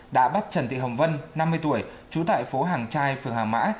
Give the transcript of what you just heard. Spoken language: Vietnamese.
đã bắt trần thị hồng vân năm mươi tuổi trú tại phố hàng trai phường hàng mã